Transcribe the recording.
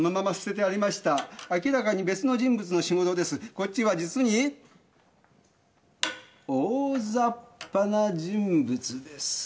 こっちは実に大ざっぱな人物です。